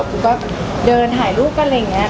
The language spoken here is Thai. พูกก็เดินถ่ายลูกกันอะไรนะ